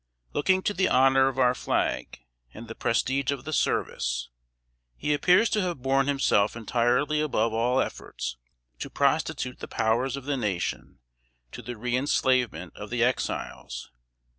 Looking to the honor of our flag and the prestige of the service, he appears to have borne himself entirely above all efforts to prostitute the powers of the nation to the reënslavement of the Exiles.